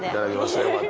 よかった。